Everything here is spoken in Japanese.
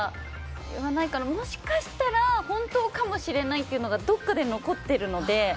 もしかしたら本当かもしれないっていうのがどこかで残ってるので。